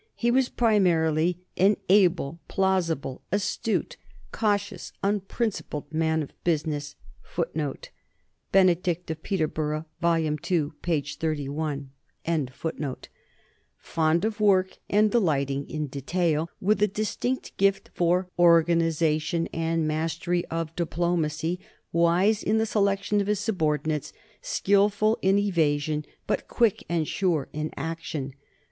He was pri marily "an able, plausible, astute, cautious, unprincipled 1 Benedict of Peterborough, n, p. xxxiii. THE NORMAN EMPIRE 93 man of business," 1 fond of work and delighting in detail, with a distinct gift for organization and a mastery of diplomacy, wise in the selection of his subordinates, skilful in evasion, but quick and sure in action.